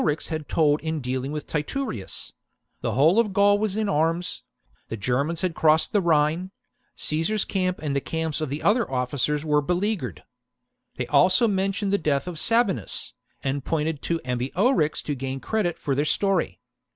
tale that Ambiorix had told in dealing with Titurius : the whole of Gaul was in arms ; the Germans had crossed the Rhine ; Caesar's camp and the camps of the other officers were be leaguered. They also mentioned the death of Sabinus, and pointed to Ambiorix to gain credit for their story.